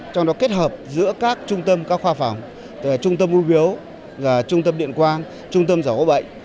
trong đó kết hợp giữa các trung tâm các khoa phòng trung tâm u biếu trung tâm điện quang trung tâm giáo bệnh